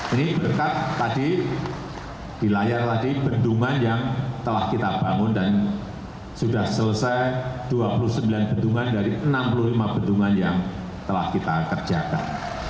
ini berdekat tadi di layar tadi bendungan yang telah kita bangun dan sudah selesai dua puluh sembilan bendungan dari enam puluh lima bendungan yang telah kita kerjakan